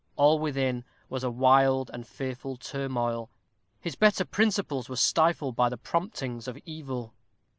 All within was a wild and fearful turmoil. His better principles were stifled by the promptings of evil.